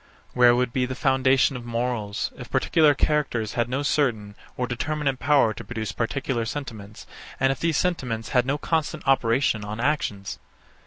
Where would be the foundation of morals, if particular characters had no certain or determinate power to produce particular sentiments, and if these sentiments had no constant operation on actions?